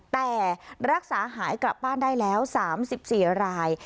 แต่รักษาหายกลับบ้านได้แล้วสามสิบสี่ราย